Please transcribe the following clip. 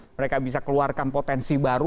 mereka bisa keluarkan potensi baru